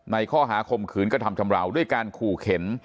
ในข้อหาคมขืนกระทำชำราวด้วยการขู่เข็น